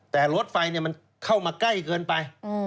แต่รถไฟมันเข้ามาใกล้เกินไป